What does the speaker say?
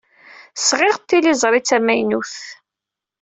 Sɣiɣ-d tiliẓri d tamaynut.